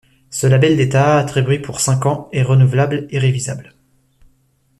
Ce label d’État, attribué pour cinq ans, est renouvelable et révisable.